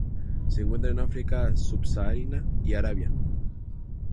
Se encuentra en África subsahariana y Arabia.